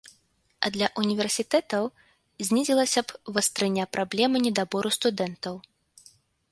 А для ўніверсітэтаў знізілася б вастрыня праблемы недабору студэнтаў.